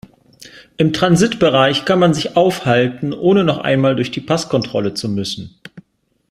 Im Transitbereich kann man sich aufhalten, ohne noch einmal durch die Passkontrolle zu müssen.